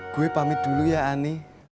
gue pamit dulu ya ani